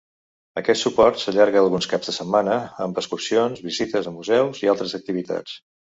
Aquest suport s'allarga alguns caps de setmana amb excursions, visites a museus i altres activitats.